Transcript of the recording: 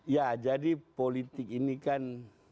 ya jadi politik ini kan